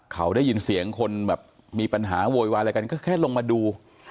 เขาได้ยินเสียงคนแบบมีปัญหาโวยวายอะไรกันก็แค่ลงมาดู